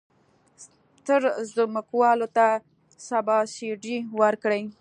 ستر ځمکوالو ته سبسایډي ورکړي.